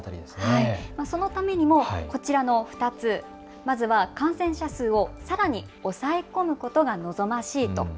そのためにもこちらの２つ、まずは感染者数を、さらに抑え込むことが望ましいと。